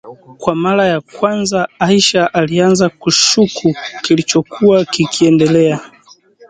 Kwa mara ya kwanza, Aisha alianza kushuku kilichokuwa kikiendelea